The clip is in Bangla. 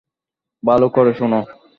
ভালো করে শোন।